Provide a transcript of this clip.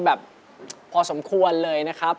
แบบพอสมควรเลยนะครับ